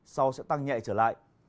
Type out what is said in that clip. sau sẽ tăng nhẹ trở lại